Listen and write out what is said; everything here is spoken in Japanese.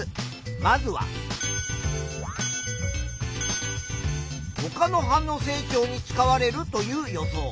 まずはほかの葉の成長に使われるという予想。